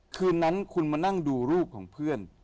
คืนนั้นคุณมานั่งดูรูปของเพื่อน